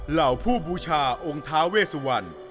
เหล่าผู้บูชาองค์ท้าเวสวัน